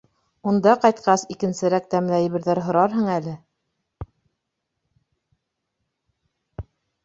— Унда ҡайтҡас, икенсерәк тәмле әйберҙәр һорарһың әле.